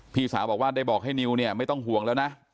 พี่สาวบอกว่าได้บอกให้นิวเนี่ยไม่ต้องห่วงแล้วนะ